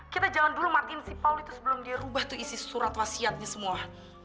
kita jangan dulu matiin si paul itu sebelum dirubah tuh isi surat wasiatnya semua